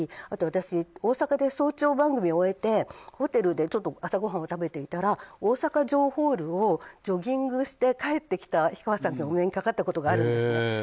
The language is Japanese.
あと大阪で早朝番組を終えてホテルで朝ごはんを食べていたら大阪城ホールをジョギングして帰ってきた氷川さんとお目にかかったことがあるんですね。